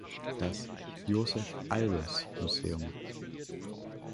Das "Josef Albers Museum.